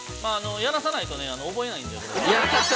◆やらさないとね、覚えないんで。